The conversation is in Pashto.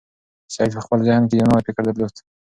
سعید په خپل ذهن کې یو نوی فکر درلود.